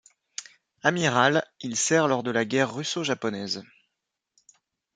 Amiral, il sert lors de la guerre russo-japonaise.